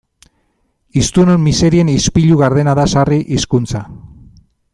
Hiztunon miserien ispilu gardena da sarri hizkuntza.